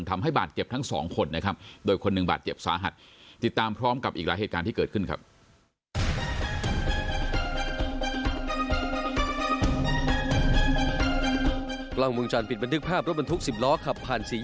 ทำให้บาดเจ็บทั้งสองคนนะครับโดยคนหนึ่งบาดเจ็บสาหัสติดตามพร้อมกับอีกหลายเหตุการณ์ที่เกิดขึ้นครับ